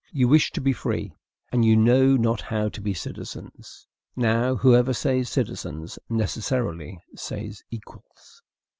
You wish to be free, and you know not how to be citizens. Now, whoever says "citizens" necessarily says equals.